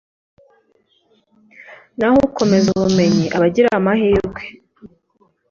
naho ukomeza ubumenyi aba agira amahirwe